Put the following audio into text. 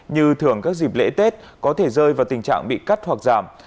như thường các dịp lễ tết có thể rơi vào tình trạng bị cắt hoặc giảm